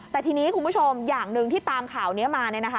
แต่ทีนี้คุณผู้ชมอย่างหนึ่งที่ตามข่าวนี้มา